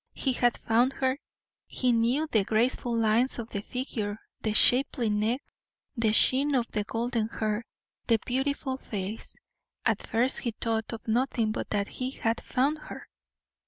He had found her; he knew the graceful lines of the figure, the shapely neck, the sheen of the golden hair, the beautiful face. At first he thought of nothing but that he had found her.